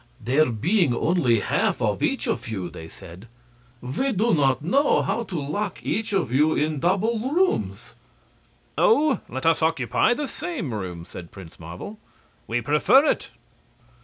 "There being only half of each of you," they said, "we do not know how to lock each of you in double rooms." "Oh, let us both occupy the same room," said Prince Marvel. "We prefer it."